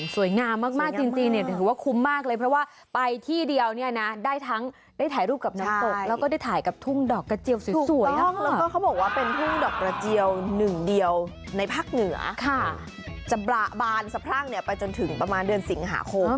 สวยงามมากจริงถือว่าคุ้มมากเลยเพราะว่าไปที่เดียวได้ทั้งได้ถ่ายรูปกับน้ำตก